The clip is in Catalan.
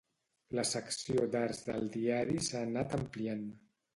La secció d'arts del diari s'ha anat ampliant.